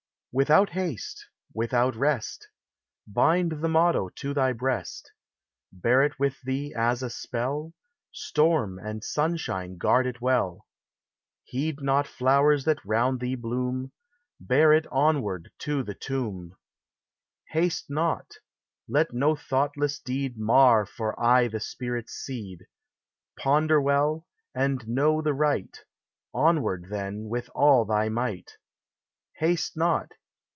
M Without haste ! without rest ! Bind the motto to thy breast ; Bear it with thee as a spell : Storm and sunshine guard it well ! Heed not flowers that round thee bloom, Bear it onward to the tomb. LABOR AND REST. LIS Haste not! Let no thought] ied Mar for aye the spirit's speed ; Ponder well, and know the right ; Onward, then, with all thy might. Haste not!